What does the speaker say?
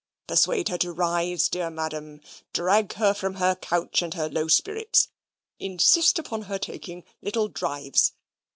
"Persuade her to rise, dear Madam; drag her from her couch and her low spirits; insist upon her taking little drives.